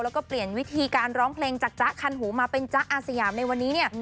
แล้วก็เปลี่ยนวิธีการร้องเพลงจากจ๊ะคันหูมาเป็นจ๊ะอาสยามในวันนี้เนี่ย